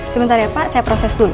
sebentar ya pak saya proses dulu